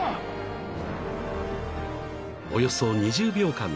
［およそ２０秒間